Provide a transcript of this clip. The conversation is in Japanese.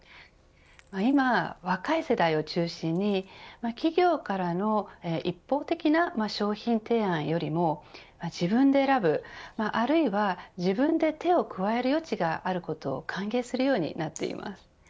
今、若い世代を中心に企業からの一方的な商品提案よりも自分で選ぶ、あるいは自分で手を加える余地があることを歓迎するようになっています。